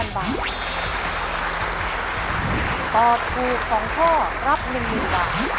ตอบถูก๒ข้อรับ๑๐๐๐บาท